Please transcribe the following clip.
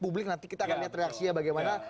publik nanti kita akan lihat reaksinya bagaimana